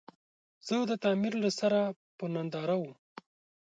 زه د تعمير له سره په ننداره ووم.